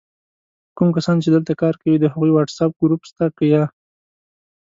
کوم کسان چې دلته کار کوي د هغوي وټس آپ ګروپ سته که یا؟!